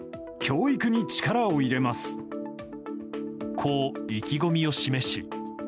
こう、意気込みを示し。